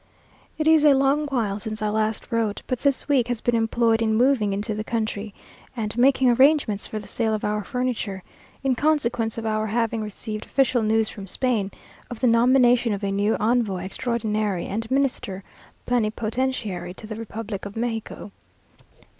It is a long while since I last wrote, but this week has been employed in moving into the country, and making arrangements for the sale of our furniture, in consequence of our having received official news from Spain of the nomination of a new envoy extraordinary and Minister plenipotentiary to the republic of Mexico.